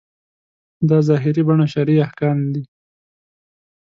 دا ظاهري بڼه شرعي احکام دي.